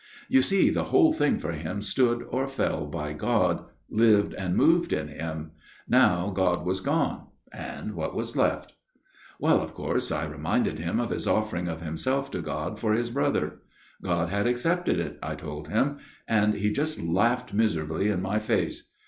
" You see the whole thing for him stood or fell by God, lived and moved in Him ; now God was gone, and what was left ?" Well, of course I reminded him of his offering of himself to God for his brother. God had accepted it, I told him ; and he just laughed miserably in my face.